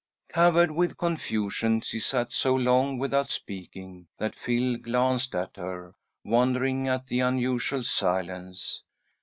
Covered with confusion, she sat so long without speaking that Phil glanced at her, wondering at the unusual silence.